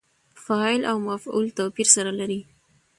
فاعل او مفعول توپیر سره لري.